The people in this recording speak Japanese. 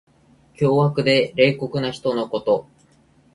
凶悪で冷酷な人のこと。